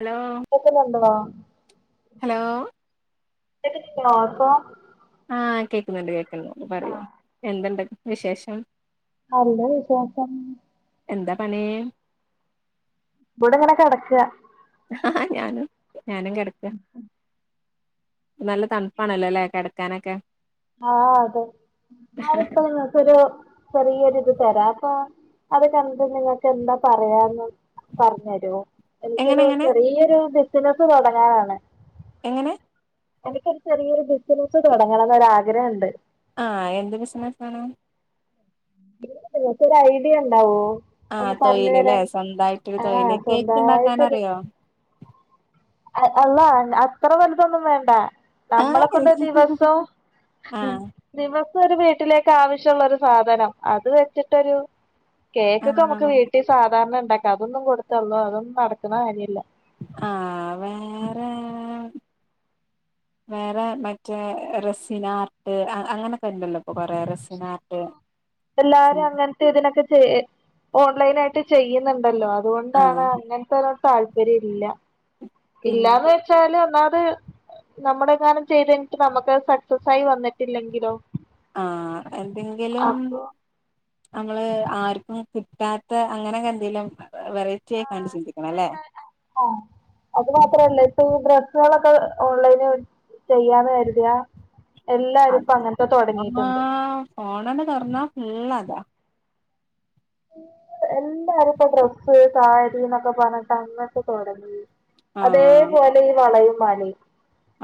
hello കേക്കുന്നുണ്ടടാ hello കേക്കുന്നുണ്ടോ പ്പോ ആ കേക്ക്ന്ന്ണ്ട് കേക്ക്ന്ന്ണ്ട് പറയൂ ആഹ് എന്തുണ്ട് വിശേഷം നല്ല വിശേഷം എന്താ പണീ ഇവടെങ്ങനെ കെടക്കാ ഞാനും ഞാനും കെടക്കാ നല്ല തൺപ്പാണല്ലോ ലെ കെടക്കാനൊക്കെ ആഹ് അതെ അത് പ്പൊ ങ്ങക്കൊരു ചെറിയൊര്ത് തെരാ പ്പൊ അത് കണ്ടിട്ട് നിങ്ങക്കെന്താ പറയാള്ളത് പർഞ്ഞെരോ എങ്ങനെ എനിക്കൊരു എങ്ങനെ ചെറിയൊരു ബിസിനസ് തൊടങ്ങാനാണ് എങ്ങനെ എനിക്കൊരു ചെറിയൊരു ബിസിനസ് തൊടങ്ങണംന്നൊരു ആഗ്രഹണ്ട് ആഹ് എന്ത് ബിസ്നസാണ് [unintelligible] ങ്ങക്കൊരയ്ണ്ടാവോ ഒന്ന് ആഹ് പർഞ് തൊഴിലല്ലേ തെരാൻ സ്വന്തായിട്ടൊരു ആഹ് തൊഴില് കേക്ക് ഉണ്ടാക്കാൻ സ്വന്തായിട്ടൊരു അറിയോ അൽ അള്ളാഹ് അത്ര വലുതൊന്നും വേണ്ട ആഹ് നമ്മളൊക്കെണ്ട് ദിവസ്സും ആഹ് ദിവസൊരു വീട്ടിലേക്ക് ആവശ്യള്ളൊരു സാധനം അത് വെച്ച്ട്ടൊരു കേക്കൊക്കെ നമുക്ക് ആഹ് വീട്ടീസാധാരണ ണ്ടാക്കാ അതൊന്നും കൊടുത്തള്ളാ അതൊന്നും നടക്ക്ണ കാര്യല്ല ആഹ് വേറെ വേറെ മറ്റേ റെസിനാർട്ട് അ അങ്ങനൊക്കെണ്ടല്ലോ പ്പൊ കൊറേ റെ എല്ലാരും അങ്ങൻ ത്തെതിനൊക്കെ ചെ ഓൺലൈനായിട്ട് ചെയ്യ്ന്ന്ണ്ടല്ലോ ആഹ് അതുകൊണ്ടാണ് അങ്ങൻത്തോരോ താൽ പര്യല്ല പിന്നെ ഇല്ലാന്ന് വെ ച്ചാല് ഒന്നാമത് നമ്മുടെങ്ങാനും ചെയ്ത് കയ്ഞ്ഞിട്ട് നമ്മക്കത് സെക്സസായി വന്ന്ട്ടില്ലെങ്കിലോ ആഹ് എന്തെങ്കിലും നമ്മള് ആര്ക്കും കിട്ടാത്ത അങ്ങനൊക്കെന്തെലും വെറൈ റ്റ്യേ ക്കാണ്ട് ചിന്തിക്കണം ലെ ആഹ് അത് മാത്രല്ല ഇപ്പൊ ഈ ഡ്രസ്സാളൊക്കെ ഓൺലൈന് ചെയ്യാന്ന് കരുത എല്ലാരും പ്പ അങ്ങൻത്തെ അമ്മ തൊടങ്ങീട്ട്ണ്ട് ഫോണണ്ട് തൊറന്നാ ഫുളളതാ എല്ലാരും പ്പൊ ഡ്രസ്സ് സാരി ന്നൊക്ക പർഞ്ട്ട് അങ്ങട്ട് തൊടങ്ങി ആഹ് അതേപോലെ ഈ വളയും മാലയും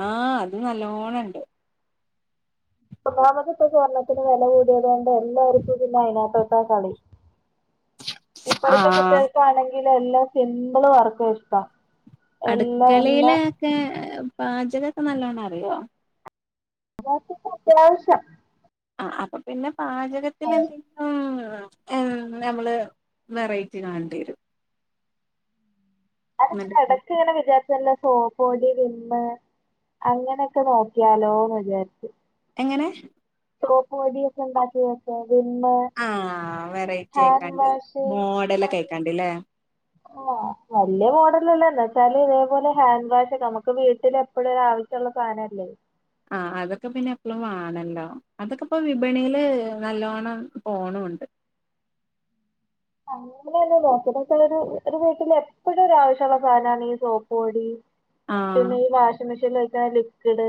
ആഹ് അതും നല്ലോണം ണ്ട് ഒന്നാമത് പ്പ സ്വർണത്തിന് വെല കൂടിയത് കൊണ്ട് എല്ലാവർക്കും പിന്നെ അതിനകത്തോട്ട കളി ഇപ്പോഴത്തെ ആഹ് കുട്ടികൾക്കാണെങ്കിൽ എല്ലാം സിമ്പിള് വർക്ക ഇഷ്ടം എല്ലാ എല്ല ഏഹ് പാചകൊക്കെനല്ലോണറിയോ ബാക്കികെഅത്യാവശ്യം ആഹ് അപ്പൊ പിന്നെ പാചകത്തി എന്ത് ചെയ ഉം എം നമ്മള് വെറൈറ്റി കാണേണ്ടി വരും അതങ്ങനെ എന്നിട്ട് എടക്കങ്ങനെ വിചാരിച ചല്ല സോപോടി വിമമ് അങ്ങനെയൊക്കെ നോക്കിയാലോന്ന് വിചാരിച്ച് എങ്ങനെ സോപ്പ് പൊട്ടിയൊക്കെണ്ടാക്കി വക്ക വിമ്മ് ആഹ് വെറൈറ്റി ഹാൻഡ് ആയിക്കാണ്ട് വാഷ് മോഡലൊക്കെ അങ്ങനെ ആയിക്കാണ്ട്ല്ലേ ആഹ് വല്യ മോഡലല്ല ന്താ ച്ചാല് ഇതേപോലെ ഹാൻഡ് വാഷൊക്കെ നമുക്ക് വീട്ടലെ പ്പോഴൊരാവശ്യള്ള സാധനല്ലേ ആഹ് അതൊക്കെ പിന്നെ എപ്പൊളും വാണല്ലോ അതൊക്കെ പ്പൊ വിപണിയില് നല്ലോണം പോണുണ്ട് അങ്ങനെ നോക്കിയത് മറ്റെതൊക്കെ ഒര് ഒര് വീട്ടിലെ പ്പൊഴൊരാവശ്യള്ള സാധനാ ണീ സോപോടി ആഹ് പിന്നെ ഈ വാഷിംഗ് മെഷീനിലൊഴിക്കണ ലിക്വിഡ്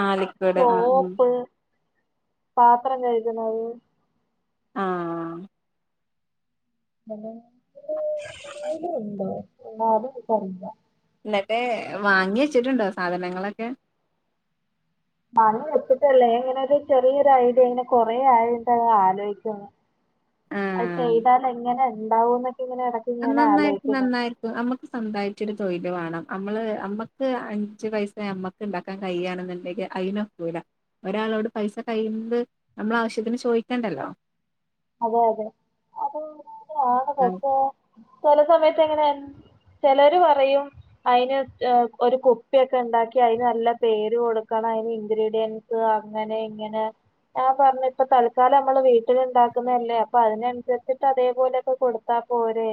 ആഹ് ലിക്വിഡ് ആഹ് ഉം സോപ്പ് പാത്രം കഴ്ക്ന്നത് ആഹ് [unintelligible] ന്നിട്ട് വാങ്ങി വെച്ചിട്ടുണ്ടോ സാധനങ്ങളൊക്കെ വാങ്ങി വെച്ചിട്ടില്ല എങ്ങനൊരു ചെറിയൊരു ഐഡിയ ങ്ങനെ കൊറേ ആയിട്ടാലോചിക്കുന്നു അഅ് ആഹ് ചെയ്താലെങ്ങനെ ണ്ടാവൂന്നൊക്കെ ഇങ്ങനെ എട നന്നായിരിക്കും നന്നായിരിക്കും നമ്മക്ക് സൊന്തായിട്ടൊരു തൊഴില് വേണം നമ്മള് അമ്മക്ക് അഞ്ച് പൈസ നമ്മ ക്ക് ണ്ടാക്കാൻ കഴിയാണെന്നുണ്ടെങ്കിൽ അയ്നൊക്കൂല ഒരാളോട് പൈസ കഴിയുന്നത് നമ്മളാവശ്യത്തിന് ചോയ്ക്കണ്ടല്ലോ അതെ അതെ അതാന്നെണ് ഉം പക്ഷേ ചെല സമയത്ത് എങ്ങനെയ ചെലര് പറയും അതിന് ഒരു കുട്ടിപ്പിയൊക്കെയിണ്ടാക്കി അതിന് നല്ല പേര് കൊടുക്കണം അതിന് ഇൻഗ്രീഡിയ അങ്ങനെയിങ്ങനെ ഞാൻ പറഞ്ഞ് ഇപ്പ തൽക്കാലം നമ്മള് വീട്ടിലുണ്ടാ ക്കുന്നല്ലേ അപ്പൊ അതിനനുസരിച്ചിട്ട് അതേപോലെക്കെ കൊടുത്താ പോരെ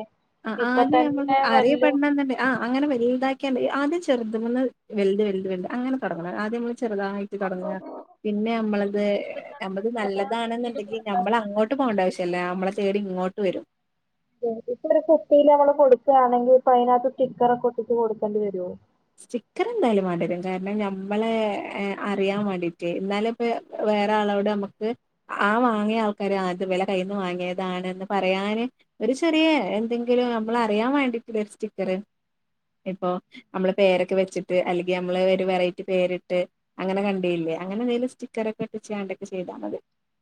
ആ ഇപ്പൊ ആദ്യം നമ്മള് തന്നെ വല്യ അറിയപ്പെടണന്നണ്ട് ആ അങ്ങന വലുതാക്കാണ്ട് ആദ്യം ചെറുതുന്ന് വലുത് വലുത് വലുത് അങ്ങനെ തൊടങ്ങണം ആദ്യം നിങ്ങള് ചെറുതായി ട്ട് തൊടങ്ങാ ഒരു പിന്നെ നമ്മളത് കുപ്പി എടുക്കാണെങ്കിൽ നമ്മത് സാധാ കുപ്പിയില് നല്ലതാണെന്നുണ്ടെങ്കിൽ കൊടുത്താ നമ്മളങ്ങോട്ട് പോവണ്ട ആവശ്യയില്ല നമ്മളെ തേടി ഇങ്ങോട്ട് വരും ഇപ്പൊരു കുപ്പിയില് നമ്മള് കൊടുക്കുകയാണെങ്കി ഇപ്പൊ അതിനകത്ത് സ്റ്റിക്കറൊക്കെ ഒട്ടിച്ച് കൊടുക്കേണ്ടി വരുവോ സ്റ്റിക്കറെന്തായാലും വേണ്ടിവരും കാരണം ഞമ്മളെ അറിയാൻ വേണ്ടിട്ട് എന്നാലും വേ വേറെ ആളോട് നമ്മുക്ക് ആ വാങ്ങിയ ആൾക്കാര് അത് വെല കയ്യിന്ന് വാങ്ങിയതാണന്ന് പറയാന് ഒരു ചെറിയ എന്തെങ്കിലും നമ്മളറിയാൻ വേണ്ടിട്ട് ഒരു സ്റ്റിക്കറ് ഇപ്പൊ നമ്മള് പേരൊക്കെ വെച്ചിട്ട് അല്ലെങ്കി നമ്മള് ഒരു വെറൈറ്റി പേരിട്ട് അങ്ങനെ കണ്ടീയ്ല്ല്യേ അങ്ങനെന്തേലും സ്റ്റിക്കറൊക്കെ ഒട്ടിച്ച്ങ്ങാണ്ടൊക്കെ ചെയ്താ മതി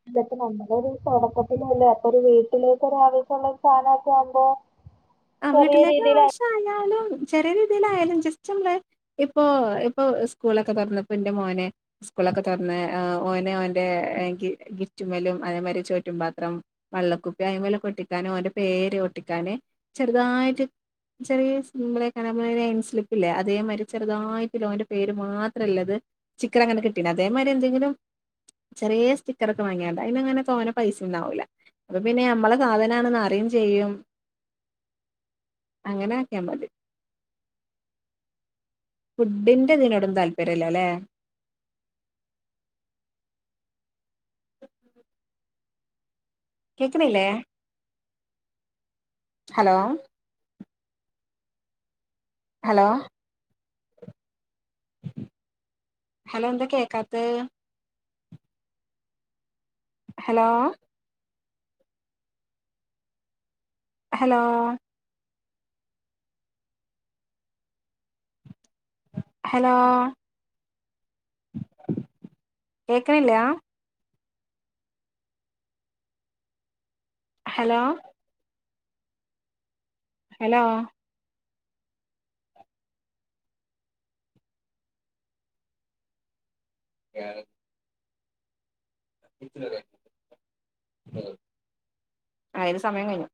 ഇത്‌പ്പ നമ്മളൊരു തൊടക്കത്തിലല്ലേ അപ്പൊരു വീട്ടിലേക്ക് ഒരാവശ്യള്ള സാനൊക്കെ ആവുമ്പോ ആഹ് വീട്ടിലേക്കാവശ്യായായാലും ചെറിയ രീതിലായാലും ജസ്റ്റ് നമ്മള് ഇപ്പൊ ഇപ്പൊ സ്കൂളൊക്കെ തൊർന്നപ്പ ഇന്റെ മോന് സ്കൂളൊക്കെ തൊർന്ന് ആഹ് ഓന് ഓന്റെ ഗിഫ്റ്റ്മ്മലും അതേമാരി ചോറ്റും പാത്രം വള്ളക്കുപ്പി അയ്മെലൊക്കെ ഒട്ടിക്കാനും ഓന്റെ പേര് ഒട്ടിക്കാന് ചെറ്തായിറ്റ് ചെറ്യേ സിമ്പിള് അയ്ക്കാണ്ട് ഞമ്മളെ നെയിം സ്ലിപ്പ്ല്ലേ അതേമാരി ചെറ്തായിട്ട്ല്ല ഓൻ്റെ പേര് മാത്രല്ലത് സ്റ്റിക്കറ് അങ്ങനെ കിട്ടീണ്ട് അതേമാരി എന്തെങ്കിലും ചെറ്യേ സ്റ്റിക്കറൊക്കെ വാങ്ങിയാണ്ട് അയ്നങ്ങനെ തോന്നെ പൈസ്യൊന്നു ആവൂല അപ്പപ്പിന്നെ നമ്മളെ സാധനാണ്ന്ന് അറിയും ചെയ്യും അങ്ങനാക്ക്യാ മതി ഫുഡ്ഡിന്റെ ഇതിനോടൊന്നും താല്പര്യംല്ലല്ലേ കേക്ക്ണില്ലേ ഹലോ ഹലോ ഹലോ എന്താ കേക്കാത്തെഹ് ഹലോ ഹലോ ഹെലോ കേക്ക്ണില്ല്യാ ഹലോ ഹലോ ക്യാ [unintelligible] [unintelligible] അയിന് സമയം കഴിഞ്ഞു